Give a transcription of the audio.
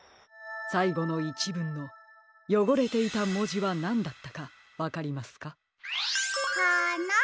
さいごのいちぶんのよごれていたもじはなんだったかわかりますか？